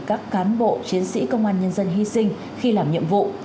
các cán bộ chiến sĩ công an nhân dân hy sinh khi làm nhiệm vụ